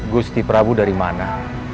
gusti prabu dari mana